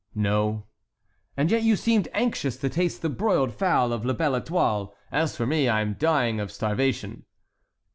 "No." "And yet you seemed anxious to taste the broiled fowl of La Belle Étoile. As for me, I am dying of starvation!"